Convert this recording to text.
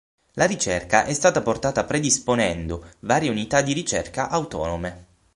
La ricerca è stata portata predisponendo varie unità di ricerca autonome.